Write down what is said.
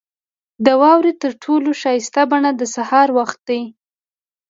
• د واورې تر ټولو ښایسته بڼه د سهار وخت وي.